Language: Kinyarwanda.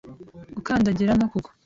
gukandagira no kugwa.